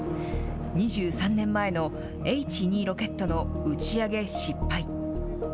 ２３年前のＨ２ロケットの打ち上げ失敗。